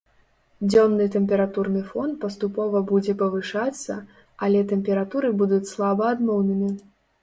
Дзённы тэмпературны фон паступова будзе павышацца, але тэмпературы будуць слаба адмоўнымі.